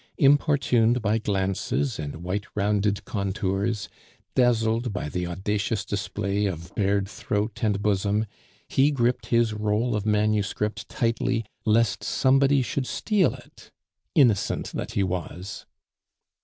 Importuned by glances and white rounded contours, dazzled by the audacious display of bared throat and bosom, he gripped his roll of manuscript tightly lest somebody should steal it innocent that he was!